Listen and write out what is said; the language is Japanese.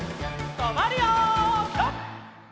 とまるよピタ！